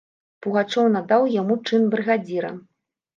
Пугачоў надаў яму чын брыгадзіра.